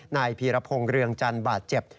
นายพีรพงศ์เรืองจันทร์บาดเจ็บ